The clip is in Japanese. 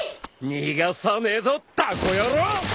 逃がさねえぞタコ野郎！